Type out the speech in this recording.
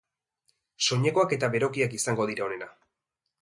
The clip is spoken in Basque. Soinekoak eta berokiak izango dira onena.